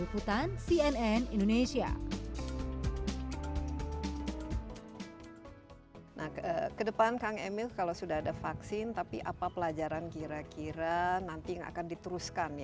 kedepan kang emil kalau sudah ada vaksin tapi apa pelajaran kira kira nanti yang akan diteruskan